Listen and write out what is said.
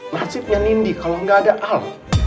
nasibnya nindi kalau nggak ada al